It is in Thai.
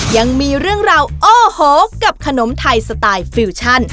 ยังมีเรื่องราวโอ้โหกับขนมไทยสไตล์ฟิวชั่น